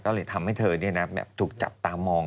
ก็เลยทำให้เธอเนี่ยนะฮะแบบถูกจับตามอง